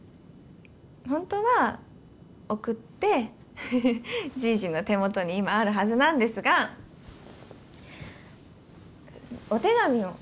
本当は送ってじいじの手元に今あるはずなんですがお手紙を書いたの。